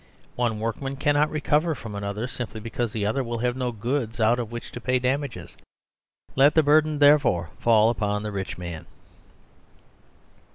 One workman cannot recover from another simply because the other will have no goods out of which to pay damages. Let the burden, therefore, fall upon the rich man